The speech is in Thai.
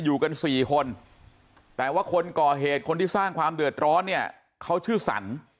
อยู่กันสี่คนแต่ว่าคนก่อเหตุคนที่สร้างความเดือดร้อนเนี่ยเขาชื่อสรร